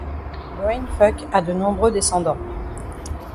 Brainfuck a de nombreux descendants.